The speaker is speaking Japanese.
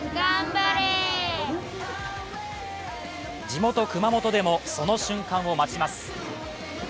地元・熊本でもその瞬間を待ちます。